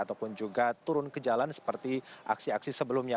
ataupun juga turun ke jalan seperti aksi aksi sebelumnya